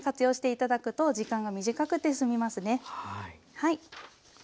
はい。